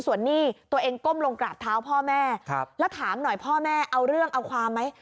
ส่วนหนี้ตัวเองก้มลงกราบเท้าพ่อแม่แล้วถามหน่อยพ่อแม่เอาเรื่องเอาความไหม